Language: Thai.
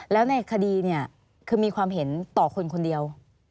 แล้วในคดีเนี่ยคือมีความเห็นต่อคนคนเดียว